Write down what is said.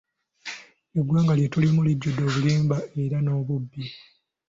Eggwanga lye tulimu lijjudde obulimba era n'obubbi.